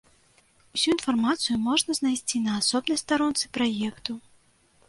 Усю інфармацыю можна знайсці на асобнай старонцы праекту.